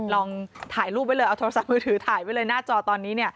ลองถ่ายรูปไว้เลยเอาโทรศัพท์มือถือถ่ายไว้เลยหน้าจอตอนนี้